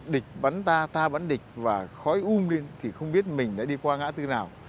địch bắn ta ta bắn địch và khói um lên thì không biết mình đã đi qua ngã tư nào